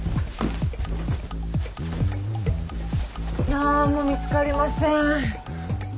なーんも見つかりません。